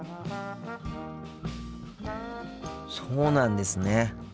そうなんですね。